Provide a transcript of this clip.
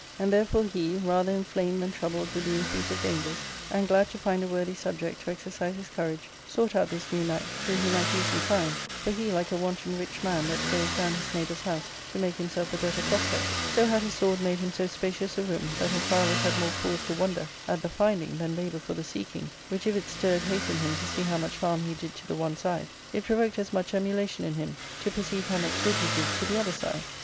And therefore he, rather inflamed than troubled y with the increase of dangers, and glad to find a worthy sub ject to exercise his courage, sought out this new knight, whom he might easily find, for he like a wanton rich man that throws down his neighbour's house to make himself the better prospect, so had his sword made him so spacious a room that Amphialus had more cause to wonder at the finding than labour for the seeking, which, if it stirred hate in him to see how much harm he did to the one side, it provoked as much emulation in him to perceive how much good he did to the other side.